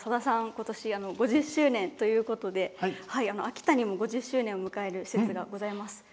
今年５０周年ということで秋田にも５０周年を迎える施設がございます。